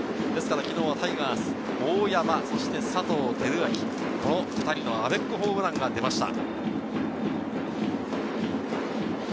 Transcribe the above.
昨日はタイガース、大山、佐藤輝明、この２人のアベックホームランが出ました。